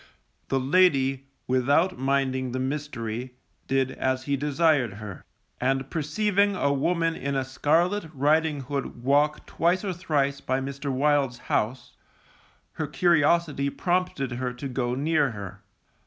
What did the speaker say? The lady, without minding the mystery, did as he desired her, and perceiving a woman in a scarlet riding hood walk twice or thrice by Mr. Wild's house, her curiosity prompted her to go near her.